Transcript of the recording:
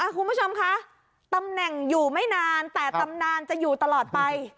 คุณผู้ชมคะตำแหน่งอยู่ไม่นานแต่ตำนานจะอยู่ตลอดไป